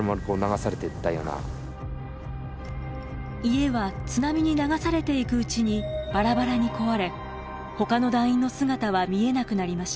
家は津波に流されていくうちにばらばらに壊れほかの団員の姿は見えなくなりました。